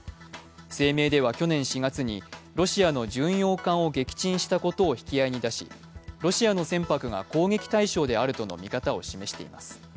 声明では去年４月にロシアの巡洋艦を撃沈したことを引き合いに出し、引き合いに出しロシアの船舶が攻撃対象であるとの見方を示しています。